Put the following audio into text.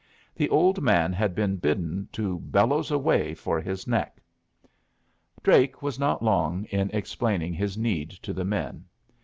The old man had been bidden to bellows away for his neck. Drake was not long in explaining his need to the men.